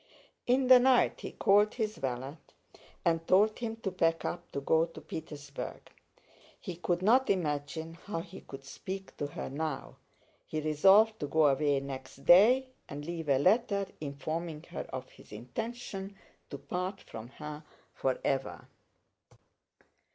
* "But what the devil was he doing in that galley?" In the night he called his valet and told him to pack up to go to Petersburg. He could not imagine how he could speak to her now. He resolved to go away next day and leave a letter informing her of his intention to part from her forever.